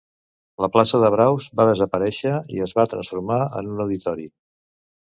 La plaça de braus va desaparèixer i es va transformar en un auditori.